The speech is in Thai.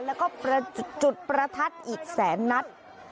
แล้วก็จุดประทัดอีกแสนนัด